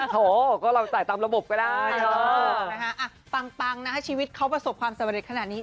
โถก็เราจ่ายตามระบบก็ได้นะคะปังนะคะชีวิตเขาประสบความสำเร็จขนาดนี้